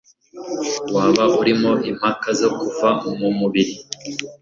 Waba urimo impaka zo kuva muburiri,